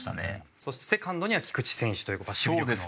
そしてセカンドには菊池選手という事は守備力の。